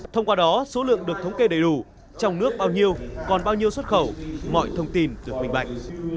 thông qua đó số lượng được thống kê đầy đủ trong nước bao nhiêu còn bao nhiêu xuất khẩu mọi thông tin được minh bạch